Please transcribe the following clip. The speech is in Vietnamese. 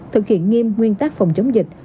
thực hiện nghiêm nguyên tắc phòng chống dịch